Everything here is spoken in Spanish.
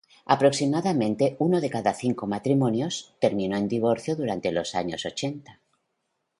Aproximadamente uno de cada cinco matrimonios terminó en divorcio durante los años ochenta.